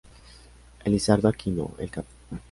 Elizardo Aquino, el Cap.